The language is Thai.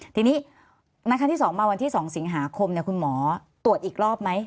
ทีนี้วันที่สองสิงหาคมเนี่ยคุณหมอตรวจอีกรอบไหม